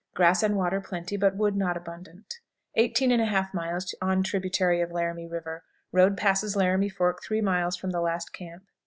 Grass and water plenty, but wood not abundant. 18 1/2. Tributary of Laramie River. Road passes Laramie Fork three miles from the last camp.